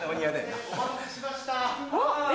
お待たせしました。